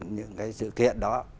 những cái sự kiện đó